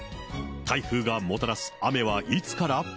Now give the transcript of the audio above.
台風がもたらす雨はいつから？